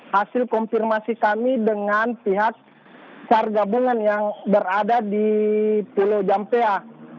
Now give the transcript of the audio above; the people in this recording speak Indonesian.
hasil konfirmasi kami dengan pihak sar gabungan yang berada di pulau jampea